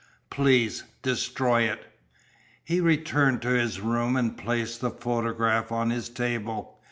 Please destroy it!" He returned to his room and placed the photograph on his table.